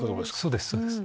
そうですそうです。